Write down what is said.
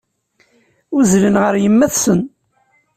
Uzzlen ɣer yemma-tsen.